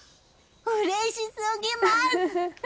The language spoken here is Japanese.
うれし過ぎます！